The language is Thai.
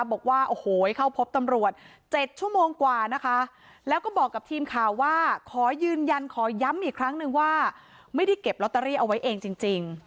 บอกว่าโอ้โหเข้าพบตำรวจ๗ชั่วโมงกว่านะคะแล้วก็บอกกับทีมข่าวว่าขอยืนยันขอย้ำอีกครั้งนึงว่าไม่ได้เก็บลอตเตอรี่เอาไว้เองจริง